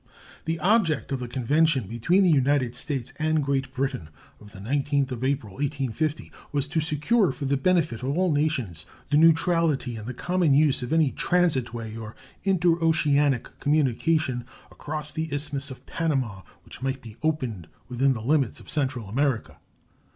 The object of the convention between the United States and Great Britain of the 19th of April, 1850, was to secure for the benefit of all nations the neutrality and the common use of any transit way or interoceanic communication across the Isthmus of Panama which might be opened within the limits of Central America.